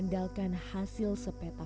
dikaikan sampai tawaran dan p specially pay